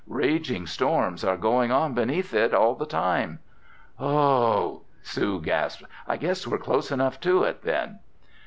Raging storms are going on beneath it all the time." "Ooo!" Sue gasped. "I guess we're close enough to it then!"